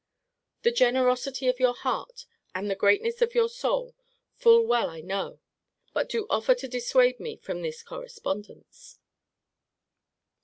The generosity of your heart, and the greatness of your soul, full well I know; but do offer to dissuade me from this correspondence.